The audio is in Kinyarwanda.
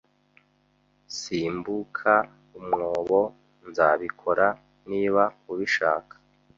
"Simbuka umwobo." "Nzabikora niba ubishaka."